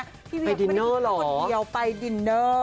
ไปดินเนอร์หรอไปดินเนอร์